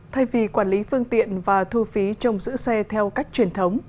thay vì quản lý phương tiện và thu phí trong giữ xe theo cách truyền thống